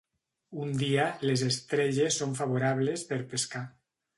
Un dia, les estrelles són favorables per pescar.